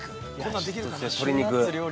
そして鶏肉。